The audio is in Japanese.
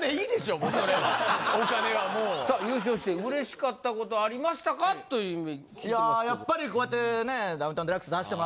もうそれお金はもう・さあ優勝してうれしかったことありましたか？という聞いてますけど。